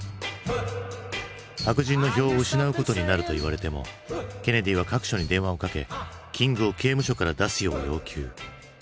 白人の票を失うことになるといわれてもケネディは各所に電話をかけキングを刑務所から出すよう要求。